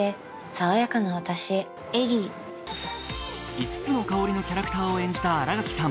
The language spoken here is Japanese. ５つの香りのキャラクターを演じた新垣さん。